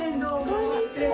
こんにちは。